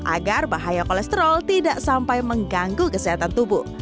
agar bahaya kolesterol tidak sampai mengganggu kesehatan tubuh